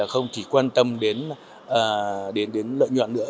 không chỉ quan tâm đến lợi nhuận nữa